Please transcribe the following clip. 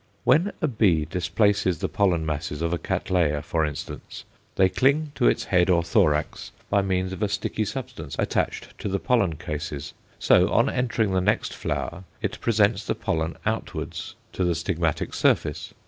When a bee displaces the pollen masses of a Cattleya, for instance, they cling to its head or thorax by means of a sticky substance attached to the pollen cases; so, on entering the next flower, it presents the pollen outwards to the stigmatic surface.